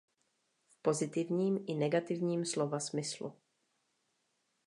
V pozitivním i negativním slova smyslu.